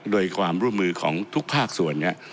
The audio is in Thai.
โดยความร่วมมือของทุกภาคส่วนเนี่ย